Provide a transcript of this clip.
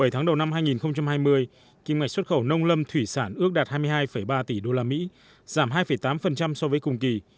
bảy tháng đầu năm hai nghìn hai mươi kim ngạch xuất khẩu nông lâm thủy sản ước đạt hai mươi hai ba tỷ usd giảm hai tám so với cùng kỳ